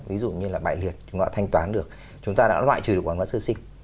ví dụ như là bại liệt chúng ta đã thanh toán được chúng ta đã loại trừ được quảng cáo sơ sinh